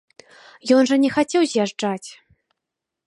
Ён жа не хацеў з'язджаць!